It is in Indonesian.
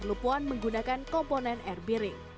hyperloop one menggunakan komponen air bearing